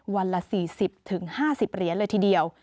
วันละ๔๐๕๐เหรียญเลยทีเดียว